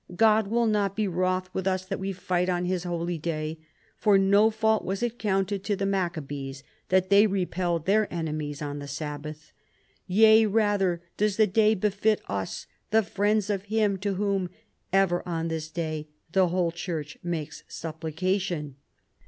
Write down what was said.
God will not be wroth with us that we fight on His holy day, for no fault was it counted to the Maccabees that they repelled their enemies on the Sabbath. Yea rather does the day befit us, the friends of Him to Whom ever on this day the whole Church makes supplica tion."